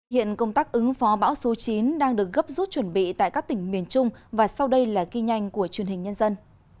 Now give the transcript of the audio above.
hiện công tác ứng phó bão số chín đang được gấp rút chuẩn bị tại các tỉnh miền trung và sau đây là ghi nhanh của truyền hình nhân dân